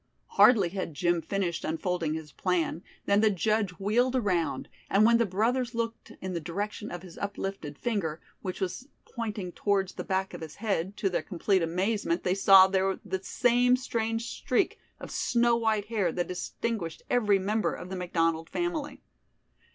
Hardly had Jim finished unfolding his plan, than the judge wheeled around, and when the brothers looked in the direction of his uplifted finger, which was pointing towards the back of his head, to their complete amazement they saw there the same strange streak of snow white hair that distinguished every member of the McDonald family.